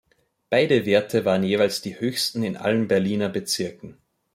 Beide Werte waren jeweils die höchsten in allen Berliner Bezirken.